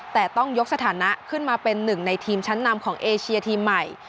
แต่ต้องยกสถานะขึ้นมาเป็นหนึ่งในทีมชั้นนำของเอเชียทีมใหม่